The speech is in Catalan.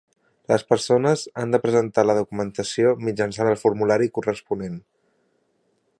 Les persones han de presentar la documentació mitjançant el formulari corresponent.